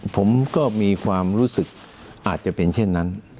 ผมก็มีความรู้สึกอาจจะเป็นเช่นนั้น